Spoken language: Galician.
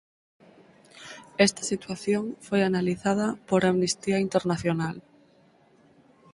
Esta situación foi analizada por Amnistía Internacional.